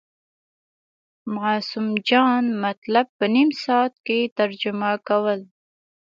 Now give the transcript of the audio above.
معصوم جان مطلب په نیم ساعت کې ترجمه کول.